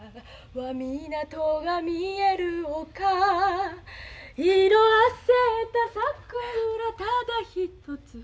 「港が見える丘」「色あせた桜ただ一つ」